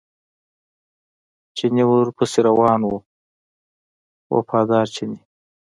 چیني ورپسې روان و وفاداره چیني.